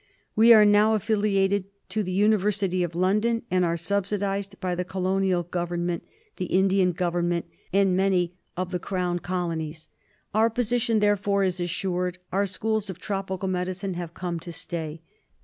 We are now affiliated to the University of London, and are subsidised by the Colonial Government, the Indian Government, and many of the CONSTITUTION AND MANAGEMENT. 227 Crown Colonies. Our position, therefore, is assured; our schools of tropical medicine have come to stay.